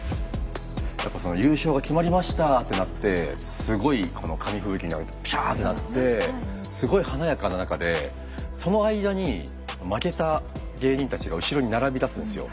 やっぱその優勝が決まりました！ってなってすごいこの紙吹雪がピシャーッてなってすごい華やかな中でその間に負けた芸人たちが後ろに並びだすんですよ。